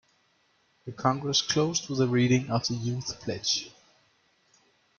The congress closed with a reading of the youth pledge.